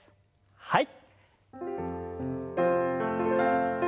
はい。